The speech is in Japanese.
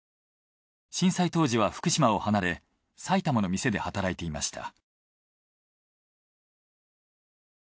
震災当時は福島を離れ埼玉の店で働いていました。